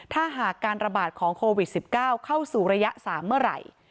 ถ้าหากการระบาดของโควิด๑๙เข้าสู่ระยะ๓เมื่อไหร่